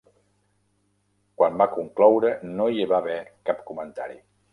Quan va concloure, no hi va haver cap comentari.